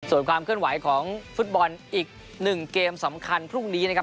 ส่วนความเคลื่อนไหวของฟุตบอลอีก๑เกมสำคัญพรุ่งนี้นะครับ